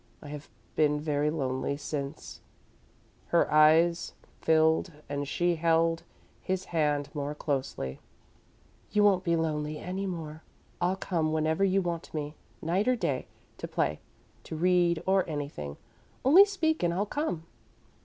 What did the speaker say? I have been very lonely since " Her eyes filled and she held his hand more closely. "You won't be lonely any more. I'll come whenever you want me, night or day, to play, to read or anything. Only speak, and I'll come."